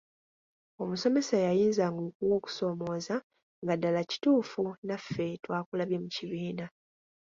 Omusomesa yayinzanga okuwa okusoomooza nga ddala kituufu naffe twakulabye mu kibiina.